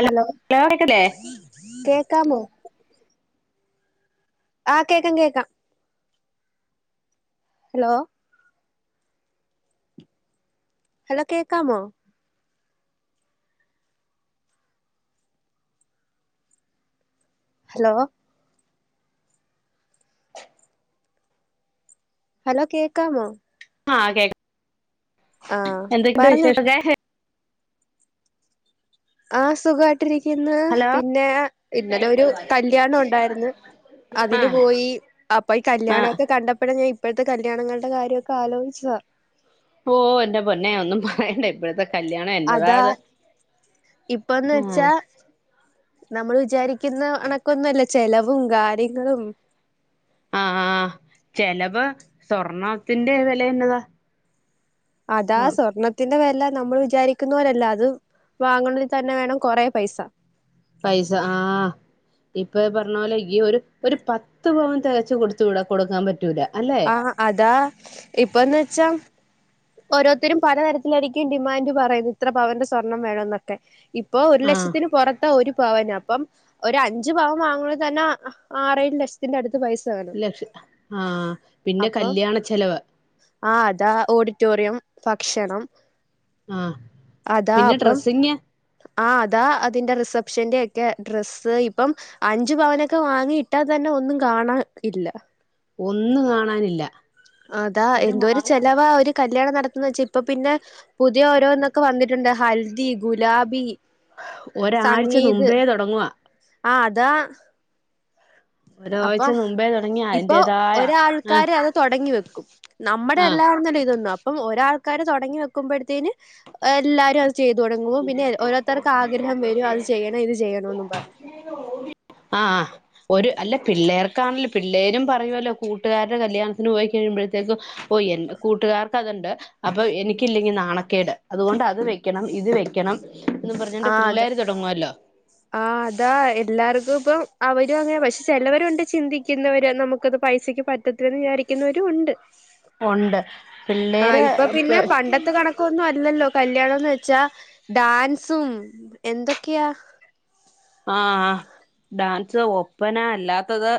Hello കേക്കാമോ? ആഹ് കേക്കൻ കേക്കാം. ഹലോ? ഹലോ കേക്കാമോ ഹലോ ഹലോ കേക്കാമോ? ആഹ് കേക്ക ആ എന്തൊക്കെയണ്ട് പറഞ്ഞോ വിശേഷ ആ സുഖയിട്ടിരിക്കുന്നു. ഹലോ പിന്നെ ഇന്നലെ ഒരു കല്ല്യാണം ഉണ്ടായിന്ന്. അതിന് ആഹ് പോയി അപ്പൊ ഈ ആഹ് കല്യാണൊക്കെ കണ്ടപ്പായ ഞാൻ ഇപ്പോഴത്തെ കല്യാണങ്ങളുടെ കാര്യമൊക്കെ ആലോചിച്ചതാ. ഓ എന്റെ പൊന്നെ ഒന്നും പറയണ്ട ഇപ്പോഴത്തെക്ക അതാ ആഹ് ഇപ്പൊന്ന്വെച്ചാ നമ്മൾ വിചാരിക്കുന്നഅണക്കൊന്നുമല്ല ചെലവും കാര്യങ്ങളും ആഹ് ആ ചെലവ് സ്വർണത്തിന്റെ വിലയന്നതാ. അതാ സ്വർണത്തിന്റെ വെ നമ്മള് വിചാരിക്കുന്നവരല്ല അത് വാങ്ങണൽ തന്നെ വേണം കൊറെ പൈസ. പൈസ ആഹ് ഇപ്പൊ പറഞ്ഞ പോലെ ഈ ഒരു ഒരു പത്ത് പവൻ തികച്ച് കൊടുത്തു വിട കൊടുക്കാൻ പറ്റൂല അല്ലെ ആഹ് അതാ ഇപ്പന്ന്വെച്ചാ ഓരോരുത്തരും പലതരത്തിലായിരിക്കും ഡിമാൻഡ് പറയുന്നത്. ഇത്ര പവന്റെ സ്വർണം വേണം എന്നൊക്കെ ഇപ്പൊ ഒരു ആഹ് ലക്ഷത്തിന് പുറത്ത ഒരു ന അപ്പം ഒ അഞ്ച് പാവം വാങ്ങുന്നത് തന്നെ ആറേഴു ലക്ഷത്തിന്റെ അടുത്ത് പൈസ വേണം ലക്ഷ ആ പിന്നെ കല്യാണ ചെലവ് ആ അതാ ഓഡിറ്റോറിയം ഭാക്ഷണം ആഹ പിന്നെ ഡ്രസ്സിങ് ആ അതാ അതിന്റെ റിസപ്ഷന്റെ ഒക്കെ ഡ്രസ്സ് ഇപ്പം അഞ്ചു പവനൊക്കെ വാങ്ങിയിട്ടാ തന്നെ ഒന്നും കാണാ ഇല്ല. ഒന്നും കാണാനില്ല. അതാ എന്തോ ഒരു ചെലവാ ഒരു കല് കല്യാണം നടത്തുന്നത് വെച്ച ഇപ്പ പിന്നെ പുതിയ ഓരോന്നൊക്കെ വന്നിട്ടുണ്ട് ഹൽദി ഗുലാബി ഒരാഴ്ച സംഗീത് മുമ്പേ തുടങ്ങുവാ ആഹ് അതാ അപ്പൊ ഒരാഴ്ച മുമ്പേ തുടങ്ങി. ഇപ്പൊ അതിന്റേതായ ആഹ് ഒരാൾക്കാര് അത് തുടങ്ങി വെക്കും നമ്മുടെ ആഹ് അല്ലാരുന്നെല്ലോ ഇതൊന്നും അപ്പം ഒരാൾ ക്കാര് തുടങ്ങി വെക്കുമ്പോഴത്തേന് എല്ലാരും അത് ചെയ്തു തുടങ്ങുമ്പോ പിന്നെ ഓരോത്തർക്ക് ആഗ്രഹം വരും. അത് ചെയ്യണം ഇത് ചെയ്യണന്നും പറഞ്ഞു. ആ ഒരു അല്ല പിള്ളേർക്കാണല്ലോ പിള്ളേരും പറയുമല്ലോ കൂട്ടുകാരുടെ കല്യാണത്തിന് പോയി കഴിയുമ്പോഴത്തേക്കും ഓ എന്റെ കൂട്ടുകാർക്ക് അതുണ്ട് അപ്പൊ എനിക്കില്ലെങ്കി നാണക്കേട് അതുകൊണ്ട് അത് വെക്കണം ഇത് വെ ആഹ് അതാ ആഹ് അതാ എല്ലാർക്കും ഇപ്പം അവരും അങ്ങനെ പക്ഷെ ചിലവരുണ്ട് ചിന്തിക്കുന്നവര് നമുക്കത് പൈസക്ക് പറ്റത്തില്ലെന്ന് വിചാരിക്കുന്നവരും ഉണ്ട് ഉണ്ട് ആ പിള്ളേര് ഇപ്പൊ പിന്നെ പണ്ടത്തെ കണക്കൊന്നും അല്ലല്ലോ കല്യാണംന്ന് വെച്ചാ ഡാൻസും എന്തൊക്കെയാ ആ് ഡാൻസ് ഒപ്പനാ അല്ലാത്തത്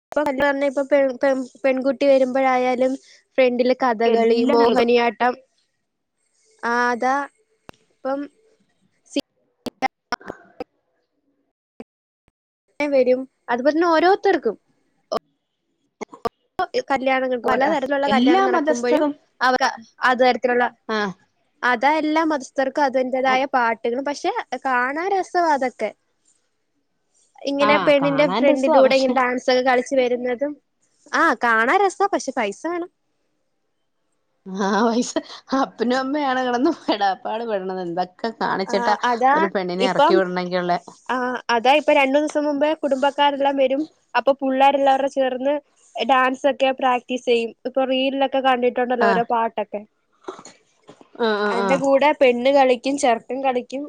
അപ്പ എല്ല ഇപ്പൊ പെൺ പെൺകുട്ടി വരുമ്പോഴായാലും ഫ്രണ്ടില് കഥകളി എല്ലാ മോഹിനിയാട്ടം ആതാ ഇപ്പം ആ അങ്ങനെ വരും അതുപോലെ തന്നെ ഓരോരുത്തർക്കുംഒ കല്യാണങ്ങൾ പലതരത്തിലുള്ള എല്ലാ കല്യാണം നടക്കുമ്പോഴും മതസ്ഥരും അവർ അത തിലുള്ള ആഹ് അതാ എല്ല മതസ്ഥർക്കും അതിൻ്റെ തായ പാട്ടുകളും പക്ഷെ കാണാ രസവാഅതൊക്കെ ഇങ്ങനെ ആഹ് പെണ്ണിന്റെ കാണാൻ രസവാ ഫ്രണ്ടിലൂടെ പക്ഷെ ഇങ്ങനെ ഡാൻസ് ഒക്കെ കളി ച്ച് വരുന്നതും ആകാണാ രസ പക്ഷെ പൈസ വേണം ആപൈസ അപ്പനും അമ്മയാണ് കടന്ന് പടാപ്പാട് പെടണ എന്താ ആ കാണിച്ചിട്ടാ അതാ ഒരു പെണ്ണിനെ ഇറക്കി ഇപ്പം വിടണങ്കിൽ ഉള്ള ആ അതാ ഇപ്പൊ രണ്ടു ദിവസം മുമ്പ് കുടുംബക്കാരെല്ലാം വരും അപ്പൊ പുള്ളേരെല്ലാ ചേർന്ന് ഡാൻസ് ഒക്കെ പ്രാക്ടീസ് ചെയ്യും ഇപ്പൊ റീലൊ ലൊക്കെ കണ്ടിട്ടുണ്ടല്ലോ ആഹ് ഓരോ പാട്ടൊക്കെ ആഹ് ആഹ് അന്റെ ആഹ് കൂടെ പെണ്ണ് കളിക്കും ച ർക്കൻ കളിക്കും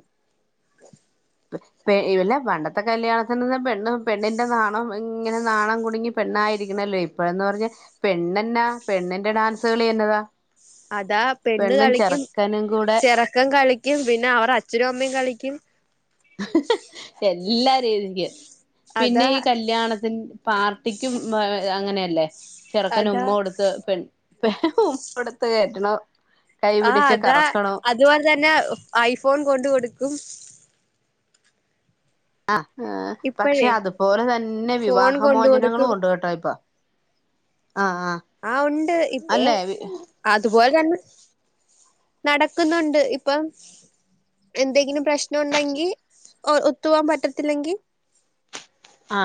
ഇവല്ല പണ്ടത്തെ കല്യാണത്തിൽ നിന്ന് പെണ്ണും പെണ്ണിന്റെ നാണ ഇങ്ങനെ നാണം കുടുങ്ങി പെണ്ണായിയിരിക്കണല്ലോ ഇപ്പഴന്ന് പറഞ്ഞ പെണ്ണെന്നാ പെണ്ണിന്റെ ഡാൻസുകളി എന്നതാ അതാ പെണ്ണ് പെണ്ണും കളിക്കും ചെറുക്കനും കൂടെ ചെറക്കം കളിക്കും പിന്നെ അവർ അച്ഛനും അമ്മയും കളിക്കും എല്ലാ രീതിൻ്റെയാ പിന്നെ അതാ ഈ കല്യാണത്തി പാർട്ടിക്കും അങ്ങനെയല്ലേ ചെറുക്കൻ അതാ ഉമ്മ കൊടുത്ത് പെൺ ഇപ്പ ഉമ്മക്കൊടുത്ത് കയറ്റണോ ആ അതാ അതുപോലെ തന്നെ ഐഫോൺ കൊണ്ട് കൊടുക്കും ആ പക്ഷെ ഇപ്പഴേ അതുപോലെ തന്നെ ഫോൺ കൊണ്ട് വിവാഹമോചനങ്ങളും കൊടുക്കും കൊണ്ട് കേട്ടോ ഇപ്പോ ആ ഉണ്ട് ഇപ്പൊ അല്ലേ അതുപോലെ തന്നെ നടക്കുന്നുണ്ട് ഇപ്പം എന്തെങ്കിലും പ്രശ്നം ഉണ്ടെങ്കിൽ ഒ ഒത്തുവാൻ പറ്റത്തില്ലെങ്കിൽ ആ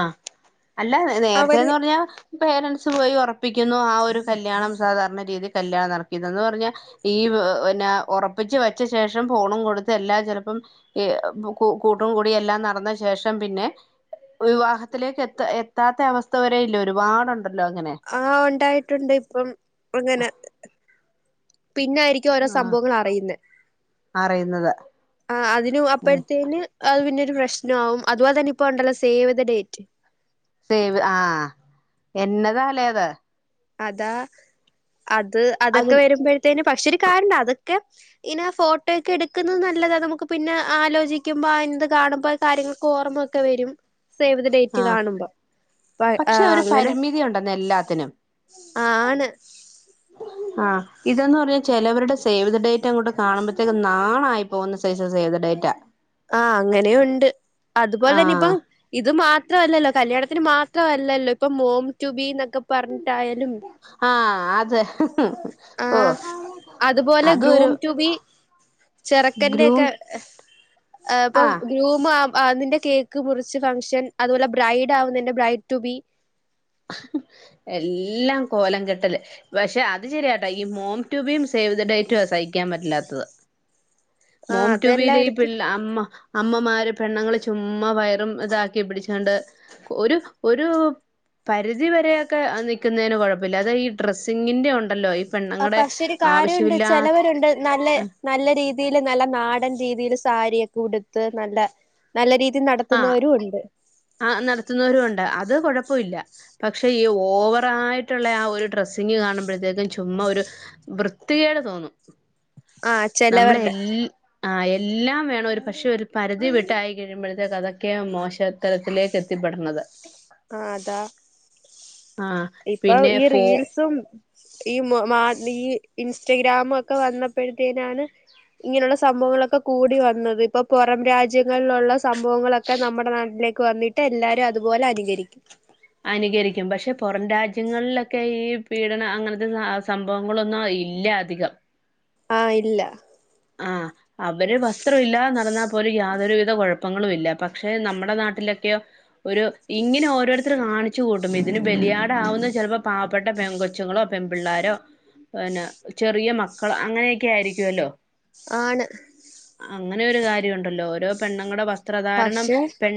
അല്ല അവര് നേരത്തെേന്ന് പറഞ്ഞാൽ പേരന്റ്സ് പോയി ഉറ പ്പിക്കുന്നു ആ ഒരു കല്യാണം സാധാരണ രീതി കല്യാണം നടത്തിയത് അന്ന് പറഞ്ഞാൽ ഈ പിന്നെ ഉറപ്പിച്ച് വച്ച ശേഷം ഫോണും കൊടുത്ത് എല്ലാം ചിലപ്പോം ഏ കൂട്ടും കൂടി എല്ലാം നടന്ന ശേഷം പിന്നെ വിവാഹത്തിലേക്ക് എത്ത എത്താത്ത അവസ്ഥ വരെ ഇല്ല ഒരുപാടു ആ ഉണ്ടായിട്ടുണ്ട് ഇപ്പം അങ്ങനെ പിന്നൊയിരിക്കും ഓരോ സംഭവങ്ങൾ അറിയുന്നത് പറയുന്നത് ആ അതിന് അപ്പഴത്തേന് അത് പിന്ന പ്രശ്നാവും അതുപോലെ തന്നെ ഇപ്പ ഉണ്ടല്ലോ സേവ് ദ ഡേറ്റ് സേവ് ആഎന്നതാലേ അത് അതാ അത് അത് അതൊക്കെ വരുമ്പോഴത്തേനും പക്ഷെ ഒരു കാര്ണ്ട് അതൊക്കെ പിന്നെ ഫോട്ടോ ഒക്കെ എടുക്കുന്നത് നല്ലതാണ് നമുക്ക് പിന്നെ ആലോചിക്കുമ്പോ ന്ത് കാണുമ്പോൾ കാര്യങ്ങൾക്ക് ഓർമ്മൊക്കെ വരും സേവ് ദ ഡേറ്റ് ആഹ് കാണുമ്പോ അ പക്ഷെ ഒരു അങ്ങനെ പരിമിതി ഉണ്ടെന്ന് എല്ലാത്തിനും ആണ് ആഇതന്ന് പറഞ്ഞ ചിലവരുടെ സേവ് ദഡേറ്റ് അങ്ങോട്ട് കാണുമ്പോഴത്തേക്കും ന്നാനായി പോകുന്ന സൈസ ദ ഡേറ്റാ ആ അങ്ങനെയൂണ്ട്, അതുപോലെ തന്നെ ആഹ് ഇപ്പം ഇത് മാത്രമല്ലല്ലോ കല്യാണത്തിന് മാത്രമല്ലല്ലോ ഇപ്പം മോം ടു ബി എന്നൊക്കെ പറഞ്ഞി ആ അതെ. ഓ ആഹ് അതൊരു ചെറക്കന്റെ ഒക്കെ എഹ് ഇപ്പം ആഹ് ഗ്രൂമ് നിന്റെ കേക്ക് മുറിച്ച് ഫംഗ്ഷൻ അതുപോലെ ബ്രൈഡ് ആവുന്നേന്റെ ബ്രൈഡ് ടു ബി എല്ലാം കോലം കെട്ടല്, പക്ഷെ അത് ശരിയാട്ടാ ഈ മോം ടു ബി യും സേവ് ദ ഡേറ്റുവാ ഹിക്കാൻ പറ്റില്ലാത്തത്. ആഹ് മോം ടു ബി യിലെ ഈ അതെല്ലായിടത്തും പിള്ള അമ്മ അമ്മമാര് പെണ്ണ്ങ്ങള് ചുമ്മാ വയറും ഇതാക്കി പിടിച്ചാണ്ട് ഒരു ഒരു പരിധി വരെയൊക്കെ നിൽക്കുന്നേന് കുഴപ്പല്ല അത് ഈ ഡ്രസ്സിങ്ങിന്റേം ഉണ്ടല്ലോ ഇ പക്ഷേ കാര്യവുണ്ട് ചെലവരുണ്ട് നല്ല നല്ല രീതിയില് നല്ല നാടൻ രീതിൽ സാരിയൊക്കെ ഉടുത്ത് നല്ല നല്ല രീതി ആ ആ നടത്തുന്നവരും ഉണ്ട് അത് കൊഴപ്പവില്ല. പക്ഷെ ഈ ഓവറായിട്ടുള്ള ആ ഒരു ഡ്രസ്സിങ് കാണുമ്പോഴത്തേക്കും ചുമ്മാ ഒരു വൃത്തി [inaudible] കേട് തോന്നും. ആ നമ്മളെ ചെലവര്ടെ. എല് ആ എല്ലാം വേണം ഒരു പക്ഷെ ഒരു പരിധി വിട്ടായി കഴിയുമ്പോഴത്തേക്ക് അതൊക്കെ മോശത്തരത്തിലേക്ക് എത്തി പെടന്നത്. ആ അതാ. ആഹ് ഇപ്പൊ പിന്നെ ഈ ഫോ റീൽസും. ഈ മ ഈ ഇൻസ്റ്റഗ്രാമ് ഒക്കെ വന്നപ്പോഴത്തേനാണ് ഇങ്ങനുള്ള സംഭവങ്ങളൊക്കെ കൂടി വന്നത് ഇപ്പൊ പുറം രാജ്യങ്ങളിലൊള്ള സ് സംഭവങ്ങളൊക്കെ നമ്മുടെ നാട്ടിലേക്ക് വന്നിട്ട് എല്ലാരും അതുപോലെ അനുകരിക്കും. അനുകരിക്കും പക്ഷെ പുറം രാജ്യങ്ങളിലൊക്കെ ഈ പീഡനം അങ്ങനത്തെ സംഭവങ്ങളൊന്നും ഇല്ല അധികം. ആ ഇല്ല. ആ അവര് വസ്ത്രം ഇല്ലാതെ നടന്നാൽ പോലും യാതൊരു കുഴപ്പങ്ങളും ഇല്ല പക്ഷെ നമ്മുടെ നാട്ടിലൊക്കെയോ ഒരു ഇങ്ങനെ ഓരോരുത്തർ കാണിച്ചു കൂട്ടും ഇതിന് ബെലിയാടാവുന്നേ ചിലപ്പോ പാവപ്പെട്ട പെങ്കൊച്ച്ങ്ങളോ പെമ്പിള്ളാരോ പിന്ന ചെറിയ മക്കൾ അങ്ങനെയൊക്കെ ആയിരിക്കുവല്ലോ. ആണ്. അങ്ങനൊരു കാര്യവുണ്ടല്ലോ ഓരോ പെണ്ണുങ്ങടെ വസ്ത്രധാരണം പക്ഷെ പെൺ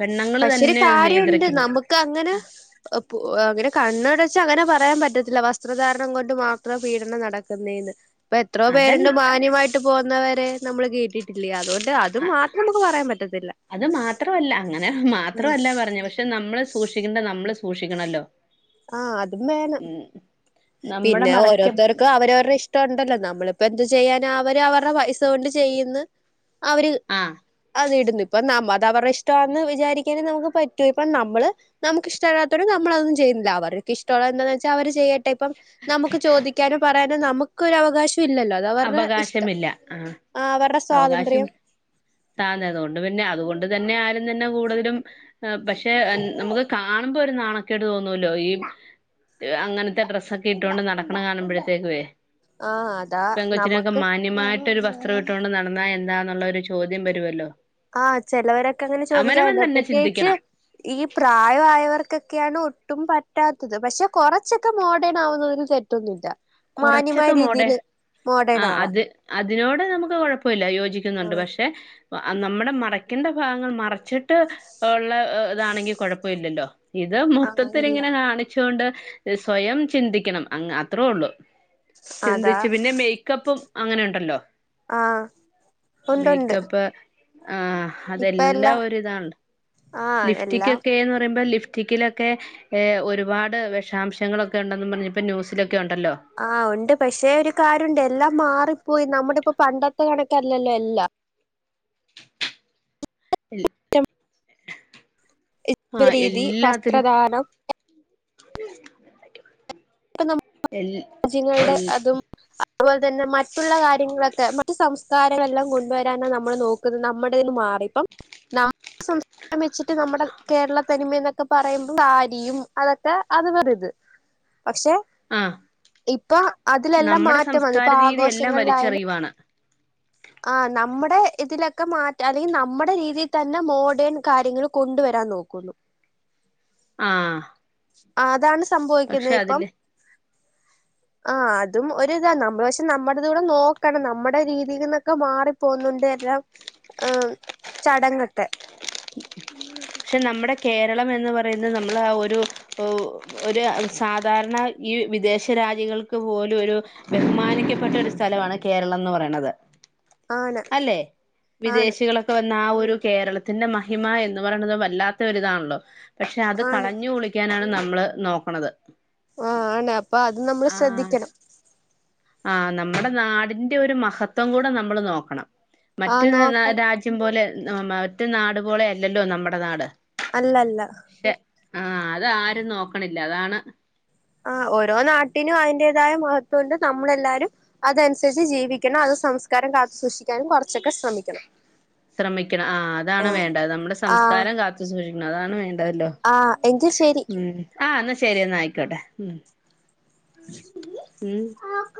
പെണ്ണുങ്ങൾ പക്ഷെ ഒരു തന്നെ കാര്യവുണ്ട് നിയന്ത്രിക്കണം നമുക്ക് അങ്ങനെ അങ്ങനെ കണ്ണടച്ച് അങ്ങനെ പറ പറയാൻ പറ്റത്തില്ല വസ്ത്രധാരണം കൊണ്ട് മാത്രം പീഡനം നടക്കുന്നേന്ന് ഇപ്പൊ എത്രോ അതൽ പേരുണ്ട് മാന്യമായി ട്ട് പോകുന്നവരെ നമ്മള് കേട്ടിട്ടില്ലേ അതുകൊണ്ട് അത് മാത്രം നമുക്ക് പറയാൻ പ അത് മാത്രമല്ല അങ്ങനെ ആ മാത്രമല്ല പറഞ്ഞു പക്ഷെ നമ്മള് സൂക്ഷിക്കേണ്ട നമ്മ മ്മള് സൂക്ഷിക്കണല്ലോ. ആ അതും വേണം. ഉം നമ്മുടെ പിന്നെ മറയ്ക്ക് ഓരോരുത്തർക്കും അവരവർടെ ഇഷ്ടവുണ്ടല്ലോ നമ്മളിപ്പോ എന്താ ചെയ്യാനാ അവര് അവരുടെ പൈസ കൊണ്ട് ചെയ്യുന്ന് അവര് ആഹ് അത് ഇട്ന്ന്. ഇപ്പം ന അത് അവര്ടെ ഇഷ്ടവാന്ന് വിചാരിക്കാനെ നമുക്ക് പറ്റൂ ഇപ്പം നമ്മള് നമുക്ക് ഇഷ്ടല്ലാത്തോണ്ട് നമ്മളതൊന്നും ചെയ്യൂ അവർക്ക് ഇഷ്ടവുള്ളെ എന്താന്ന് വച്ചാ അവര് ചെയ്യട്ടെ ഇപ്പം നമുക്ക് ചോദിക്കാനോ പറയാനോ നമുക്ക് ഒരു അവകാശം ഇല്ലല്ലോ അത് അവരുടെ ഇഷ്ടം, അവകാശമില്ല ആ അവരുടെ സ്വാതന്ത്ര്യം. താന്നതുകൊണ്ട് പിന്നെ അതുകൊണ്ട്. അത് തന്നെ ആരും തന്നെ കൂടുതലും പക്ഷേ നമുക്ക് കാണുമ്പോ ഒരു നാണേക്കട് തോന്നൂല്ലോ ഈ അങ്ങനത്തെ ഡ്രസ്സൊക്കെ ഇട്ടൊണ്ട് നടക്കണെ കാണുമ്പോഴത്തേക്കുവേ. ആ. ഈ പെങ്കൊച്ചിനൊക്കെ മാന്യമായിട്ടൊരു വസ്ത്രം ഇട്ടുകൊണ്ട് നടന്നാ എന്താന്നുള്ളൊരു ചോദ്യം വരുവല്ലോ. ആഹ് ചെലവരൊക്കെ അങ്ങനെ അവനവൻ ചോദിക്കാൻണ്ടോ തന്നെ പ്രത്യേകിച്ച് ചിന്തിക്കണം ഈ പ്രായവായവർ ക്കൊക്കെയാണ് ഒട്ടും പറ്റാത്തത് പക്ഷെ കൊറച്ചൊക്കെ മോഡേൺ ആവുന്നതിന് തെറ്റൊന്നുമില്ല മാന്യമായ കൊറച്ചൊക്കെ മോടെ രീതിയില് ആ മോഡേൺ ആവാം അത് അതിനോട് നമുക്ക് കൊഴപ്പമില്ല യോജിക്കുന്നുണ്ട് ആഹ് പക്ഷെ നമ്മുടെ മറക്കണ്ട ഭാഗങ്ങൾ മറച്ചിട്ട് ഉള്ള ഇതാണെങ്കി കൊഴപ്പ ഇല്ലല്ലോ ഇത് ആഹ് ഇല്ല മൊത്തത്തിൽങ്ങനെ കാണിച്ചുകൊണ്ട് സ്വയം ചിന്തിക്കണം അങ്‌ അത്രേ ഒള്ളു അതാ ചിന്തിച്ചു പിന്നെ മേക്കപ്പും അങ്ങനെ ഇണ്ടല്ലോ ആഹ് ഉണ്ടുണ്ട് മേക്കപ്പ് ആ ഇപ്പ അതെല്ലാം എല്ലാം ഒരിതാണ് ആഹ് എല്ലാം ലിഫ്റ്റിക്കൊക്കെന്ന് പറയുമ്പോ ലിഫ്റ്റ് റ്റിക്കിലൊക്കെ ഒരുപാട് വിഷാംശങ്ങളൊക്കെ ഒണ്ടെന്ന് പറഞ്ഞ് ഇപ്പൊ ന്യൂസിലൊക്കെ ഒണ്ടല്ലോ ആഹ് ഉണ്ട് പക്ഷെ ഒരു കാര്യോണ്ട് എല്ലാം മാറിപ്പോയി നമ്മുടെ ഇപ്പോ പണ്ടത്തെ കണക്കല്ലല്ലോ എല്ലാം എ ആഹ് രീതി എല്ലാത്തിലും വസ്ത്രദാനം ണ്ട [unintelligible] ഇപ്പ നമുക്ക് രാജ്യങ്ങളുടെ അതും അതുപോലെ തന്നെ മറ്റുള്ള കാര്യങ്ങളൊക്കെ മറ്റു സംസ്കാരങ്ങളെല്ലാം കൊണ്ടുവരാനാണ് നമ്മൾ നോക്കുന്നത് നമ്മടേതിനു മാ ആറിപ്പം നമ്മുടെ സംസ്കാരം വെച്ചിട്ട് നമ്മുടെ കേരളത്തനിമന്നക്കെ പറയുമ്പോൾ ഭാര്യയും അതൊക്കെ അത് വേറെ ഇത് ആ ഇപ്പൊ അതിലെല്ലാം നമ്മുടെ മാറ്റം വന്നു സംസ്കാര ഇപ്പൊ രീതി എല്ലാം ആഘോഷങ്ങളിലായാലും വലിചെറിയുവാണ് ആ നമ്മുടെ ഇതിലൊക്കെ മാറ്റ അല്ലെങ്കിൽ നമ്മുടെ രീതിയിൽ തന്നെ മോഡേൺ കാര്യങ്ങൾ കൊണ്ടുവരാ വരാൻ നോക്കുന്നു ആഹ് അതാണ് പക്ഷെ സംഭവിക്കുന്നത് ഇപ്പം അതില് ആ അത് അതും ഒര് ഇതാ നമ്മള് പക്ഷെ നമ്മടേത് കൂടെ നോക്കണം നമ്മുടെ രീതിയിൽ നിന്നൊക്കെ മാറി പോുന്നുണ്ട് എല്ലാം ആ ചടങ്ങൊക്കെ ഉം [unintelligible] പക്ഷെ നമ്മുടെ കേരളം എന്ന് പറയുന്നത് നമ്മൾ ഒരു ഒരു സാധാരണ ഈ വിദേശ രാജ്യങ്ങൾക്ക് പോലും ഒരു ബഹുമാനിക്കപ്പെട്ട ഒരു സ്ഥലമാണ് കേരളം എന്ന് പറയണത് ആണ് അല്ലെ ആണ് വിദേശികളൊക്കെ വന്ന ആ ഒരു കേരളത്തിന്റെ മഹിമ എന്ന് ന്ന് പറയണത് വല്ലാത്ത ഒരിതാണല്ലോ പക്ഷെ അത് ആണ് കളഞ്ഞു കുളിക്കാനാണ് നമ്മള് നോക്കണത് ആ ആണ് അപ്പൊ അത് നമ്മള് ശ്രദ്ധിക്കണം ആ നമ്മുടെ നാടിന്റെ ഒരു മഹത്വം കൂടെ നമ്മൾ നോക്കണം ആ മറ്റ് നോക്കണം രാജ്യം പോലെ മറ്റ് നാട് പോളെ അല്ലല്ലോ നമ്മുടെ നാട് അല്ല അല്ല പക്ഷെ ആഹ് അത് ആരും നോക്കണില്ല അതാണ് ആ ഓരോ നാട്ടിനും അതിന്റേതായ മഹത്വമുണ്ട് നമ്മളെല്ലാരും അതനുസരിച്ച് ജീവിക്കണം അത് സംസ്കാരം കാത്തു സൂക്ഷിക്കാനും കുറച്ചൊക്കെ ശ്രമിക്കണം ശ്രമിക്കണം ആ അതാണ് ആ വേണ്ടത് നമ്മുടെ ആ സംസ്കാരം കാത്തുസൂക്ഷിക്കണം അതാണ് വേണ്ടത് ണ്ടതല്ലോ ആ എങ്കിൽ ശരി ഉം ആ എന്നാ ശെരി എന്നാ ആയിക്കോട്ടെ ഉ [unintelligible] ഉം